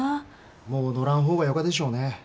もう乗らん方がよかでしょうね。